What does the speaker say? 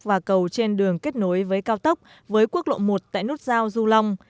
và cầu trên đường kết nối với cao tốc với quốc lộ một tại nút giao du long